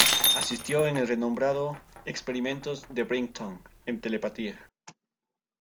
Asistió en el renombrado "experimentos de Brighton" en telepatía.